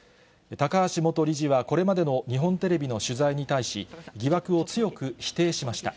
高橋元理事は、これまでの日本テレビの取材に対し、疑惑を強く否定しました。